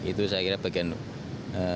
itu saya kira bagian untuk